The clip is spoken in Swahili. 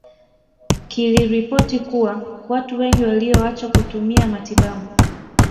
Kiliripoti kuwa watu wengi walioacha kutumia matibabu